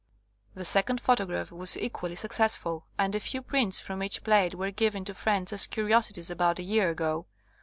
The second photograph was equally successful, and a few prints from each plate were given to friends as curiosities about a year ago.